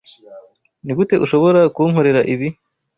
Nigute ushobora kunkorera ibi?